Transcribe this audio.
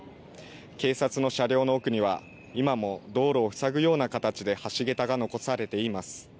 警察の車両の奥には今も道路を塞ぐような形で橋桁が残されています。